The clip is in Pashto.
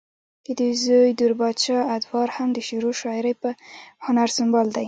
ددوي زوے دور بادشاه ادوار هم د شعرو شاعرۍ پۀ هنر سنبال دے